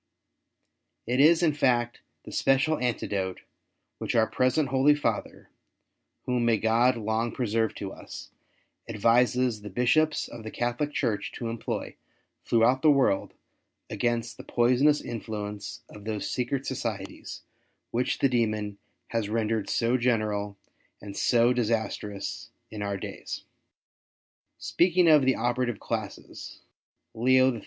It is, in fact, the special antidote which our present Holy Father — whom may God long preserve to us — advises the Bishops of the Catholic Church to employ throughout the world against the poisonous influence of those secret societies, which the demon has rendered so general and so disastrous in our days. Speaking of the operative classes, Leo XIII.